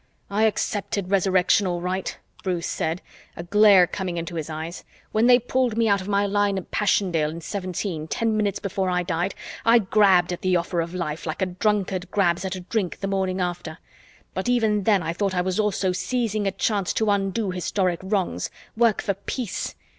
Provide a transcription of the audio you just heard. "I accepted Resurrection all right," Bruce said, a glare coming into his eyes. "When they pulled me out of my line at Passchendaele in '17 ten minutes before I died, I grabbed at the offer of life like a drunkard grabs at a drink the morning after. But even then I thought I was also seizing a chance to undo historic wrongs, work for peace."